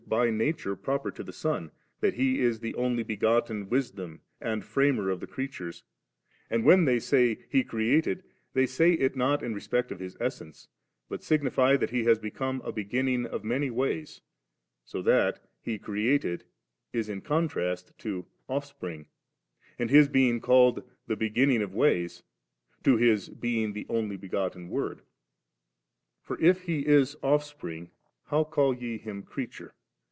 by nature proper to the Son, that He b Oe Only begotten Wisdom and Framer of the creatures, and when they say *He created,' they say it not in respect of Hb Essence, but signify that He was becoming a b^inning of many ways; so that 'He created' is in contrast to * Offspring,' and Hb bein^ called the 'Beginning of ways 7* to Hb being the Only begotten Word. 48. For if He b Offspring, how call je Him creature?